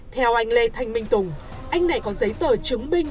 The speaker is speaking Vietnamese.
theo anh lê thanh minh tùng anh này có giấy tờ chứng minh